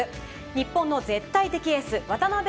日本の絶対的エース渡邊